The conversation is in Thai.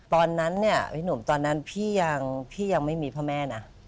ตอนนั้นเนี่ยพี่หนุ่มตอนนั้นพี่ยังไม่มีพ่อแม่นะ